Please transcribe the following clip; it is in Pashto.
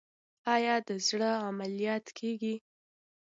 آیا د زړه عملیات کیږي؟